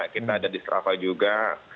kita ada di sraval juga